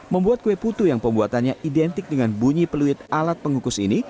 membuat kue putu yang pembuatannya identik dengan bunyi peluit alat pengukus ini